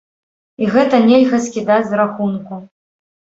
І гэта нельга скідаць з рахунку.